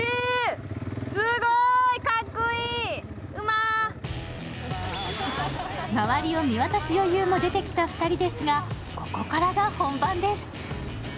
すごーいかっこいい、周りを見渡す余裕も出てきた２人ですが、ここからが本番です。